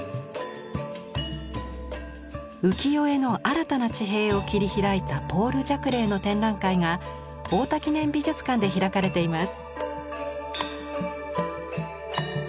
浮世絵の新たな地平を切り開いたポール・ジャクレーの展覧会が太田記念美術館で開かれています。